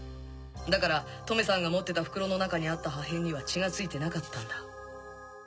だからトメさんが持ってた袋の中にあった破片には血が付いてなかったんだ。